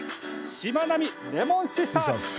しまなみレモンシスターズ！